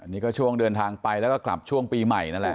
นี่ก็ช่วงเดินทางไปแล้วก็กลับช่วงปีใหม่นั่นแหละ